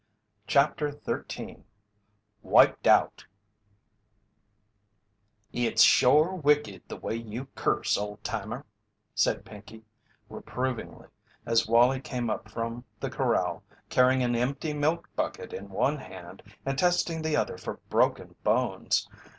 CHAPTER XIII WIPED OUT "It's shore wicked the way you curse, Old Timer," said Pinkey, reprovingly, as Wallie came up from the corral carrying an empty milk bucket in one hand and testing the other for broken bones.